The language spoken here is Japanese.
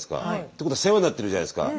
ってことは世話になってるじゃないですか。